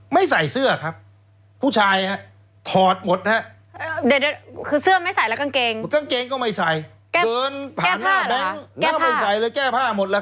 ไม่ใส่เสื้อครับผู้ชายฮะถอดหมดฮะคือเสื้อไม่ใส่แล้วกางเกง